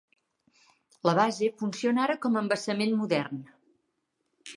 La base funciona ara com a embassament modern.